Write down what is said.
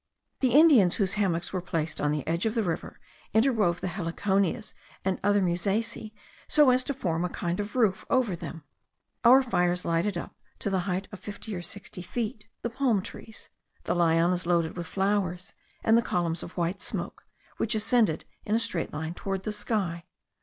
The Indians whose hammocks were placed on the edge of the river, interwove the heliconias and other musaceae, so as to form a kind of roof over them. Our fires lighted up, to the height of fifty or sixty feet, the palm trees, the lianas loaded with flowers, and the columns of white smoke, which ascended in a straight line toward the sky.